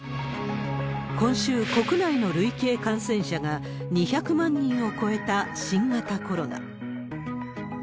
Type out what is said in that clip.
今週、国内の累計感染者が２００万人を超えた、新型コロナ。